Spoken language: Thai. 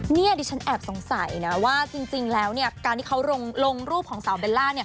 เนี่ยดิฉันแอบสงสัยนะว่าจริงแล้วเนี่ยการที่เขาลงรูปของสาวเบลล่าเนี่ย